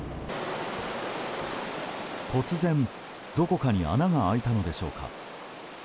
突然、どこかに穴が開いたのでしょうか。